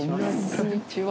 こんにちは。